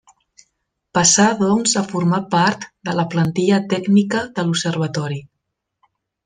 Passà doncs a formar part de la plantilla tècnica de l'observatori.